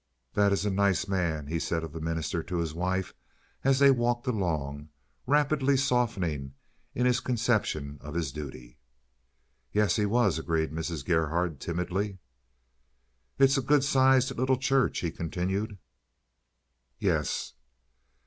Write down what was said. "That is a nice man," he said of the minister to his wife as they walked along, rapidly softening in his conception of his duty. "Yes, he was," agreed Mrs. Gerhardt timidly. "It's a good sized little church," he continued. "Yes."